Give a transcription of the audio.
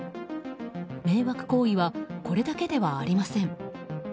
迷惑行為はこれだけではありません。